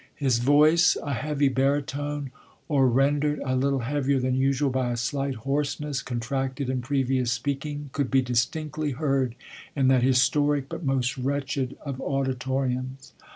His voice, a heavy barytone, or rendered a little heavier than usual by a slight hoarseness contracted in previous speaking, could be distinctly heard in that historic but most wretched of auditoriums.